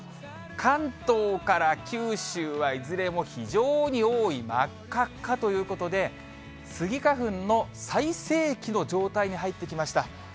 関東から九州はいずれも非常に多い、真っ赤っかということで、スギ花粉の最盛期の状態に入ってきました。